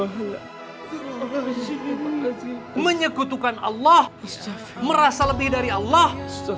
menyekutukan allah merasa lebih dari allah